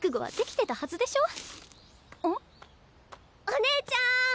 お姉ちゃん！